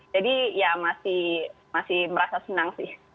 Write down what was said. jadi ya masih masih merasa senang sih